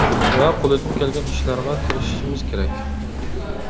ۋە قولدىن كەلگەن ئىشلارغا تىرىشىشىمىز كېرەك!